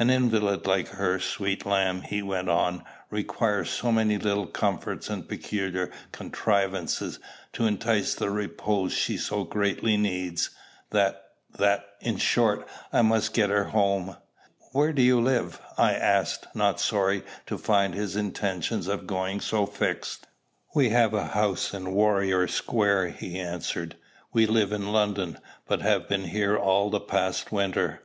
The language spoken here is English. "An invalid like her, sweet lamb!" he went on, "requires so many little comforts and peculiar contrivances to entice the repose she so greatly needs, that that in short, I must get her home." "Where do you live?" I asked, not sorry to find his intention of going so fixed. "We have a house in Warrior Square," he answered. "We live in London, but have been here all the past winter.